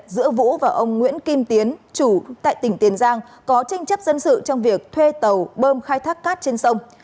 giữa vũ và ông nguyễn kim tiến chủ tại tỉnh tiền giang có tranh chấp dân sự trong việc thuê tàu bơm khai thác cát trên sông